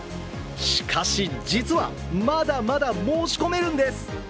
しかし実は、まだまだ申し込めるんです。